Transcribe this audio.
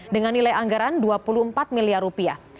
dengan nilai anggaran dua puluh empat miliar rupiah